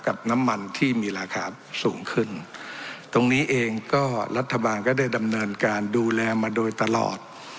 กับน้ำมันที่มีราคาสูงขึ้นตรงนี้เองก็รัฐบาลก็ได้ดำเนินการดูแลมาโดยตลอด